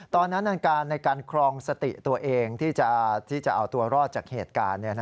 ตอนนั้นในการครองสติตัวเองที่จะเอาตัวรอดจากเหตุการณ์